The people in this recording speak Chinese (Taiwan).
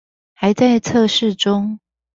還在測試中